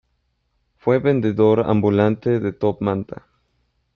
Fue vendedor ambulante de top manta.